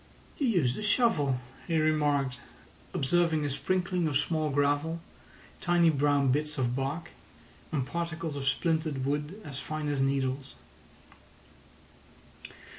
"You used a shovel," he remarked, observing a sprinkling of small gravel, tiny brown bits of bark, and particles of splintered wood as fine as needles.